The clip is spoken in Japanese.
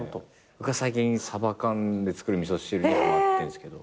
僕は最近サバ缶で作る味噌汁にハマってるんですけど。